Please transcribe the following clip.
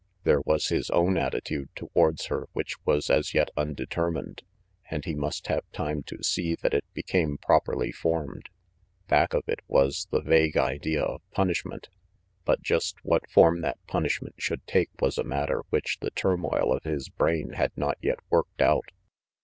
There was his own attitude towards her which was as yet undetermined, and he must have time to see that it became properly formed. Back of it was the vague idea of punishment; but just what form that punishment should take was a matter which the turmoil of his brain had not yet worked out.